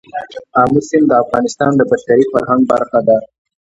آمو سیند د افغانستان د بشري فرهنګ برخه ده.